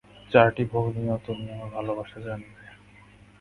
চারটি ভগ্নী ও তুমি আমার ভালবাসা জানবে।